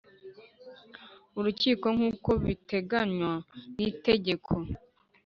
Urukiko nk uko bitenganywa n itegeko